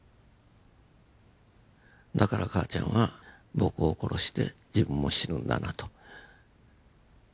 だから母ちゃんは僕を殺して自分も死ぬんだなと。